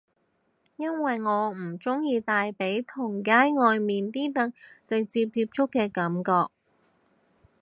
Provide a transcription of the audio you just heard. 因為我唔鍾意大髀同街外面啲凳直接接觸嘅感覺